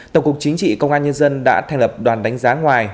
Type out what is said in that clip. tổng cục chính trị công an nhân dân đã thành lập đoàn đánh giá ngoài